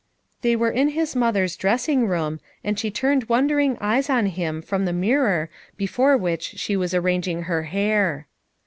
They were in his mother's dressing room, and she turned wondering eyes on him from the mirror before which she was arranging her hair.